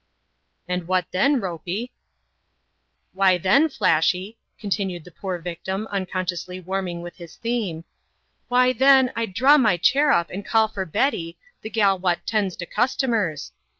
" And what then, Ropey ?". "Why then. Flashy," continued the poor victim, uncon Kiously warming with his theme; "why then, Fd draw my chair np and call for Betty, the gal wot tends to customers.